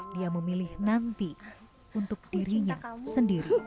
dia memilih nanti untuk dirinya sendiri